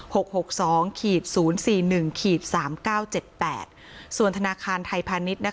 หกหกสองขีดศูนย์สี่หนึ่งขีดสามเก้าเจ็ดแปดส่วนธนาคารไทยพาณิชย์นะคะ